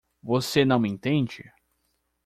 Você não me entende?